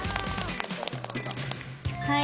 はい。